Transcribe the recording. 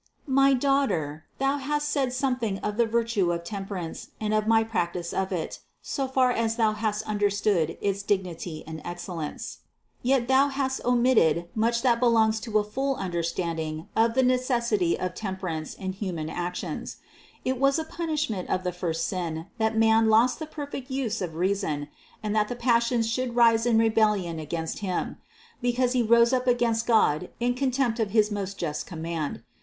596. My daughter, thou hast said something of the virtue of temperance and of my practice of it, so far as thou hast understood its dignity and excellence. Yet thou 460 CITY OF GOD hast omitted much that belongs to a full understanding of the necessity of temperance in human actions. It was a punishment of the first sin that man lost the perfect use of reason, and that the passions should rise in rebellion against him, because he rose up against God in contempt of his most just command.